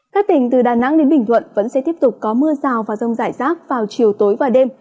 các tỉnh từ đà nẵng đến bình thuận vẫn sẽ tiếp tục có mưa rào và rông rải rác vào chiều tối và đêm